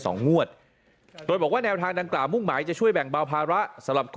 นายยกรัฐบ